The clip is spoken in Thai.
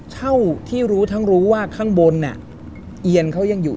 เท่าที่รู้ทั้งรู้ว่าข้างบนเอียนเขายังอยู่